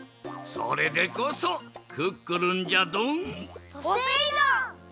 それでこそクックルンじゃドン！